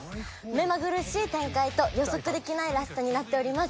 目まぐるしい展開と予測できないラストになっております